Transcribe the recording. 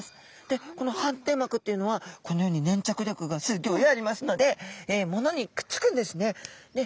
でこの反転膜っていうのはこのようにねんちゃく力がすっギョいありますのでものにくっつくんですね。